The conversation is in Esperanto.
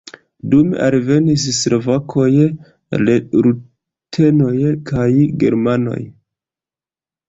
Dume alvenis slovakoj, rutenoj kaj germanoj.